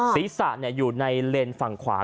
ศีรษะอยู่ในเลนส์ฝั่งขวา